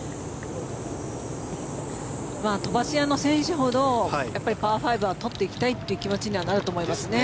飛ばし屋の選手ほどパー５は取っていきたいという気持ちにはなると思いますね。